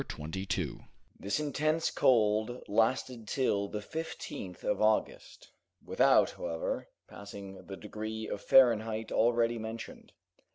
Chapter 22 This intense cold lasted till the 15th of August, without, however, passing the degree of Fahrenheit already mentioned.